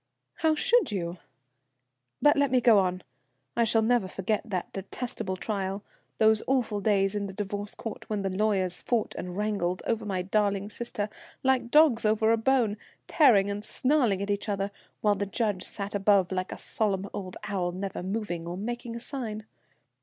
"How should you? But let me go on. I shall never forget that detestable trial, those awful days in the Divorce Court, when the lawyers fought and wrangled over my darling sister, like dogs over a bone, tearing and snarling at each other, while the judge sat above like a solemn old owl, never moving or making a sign.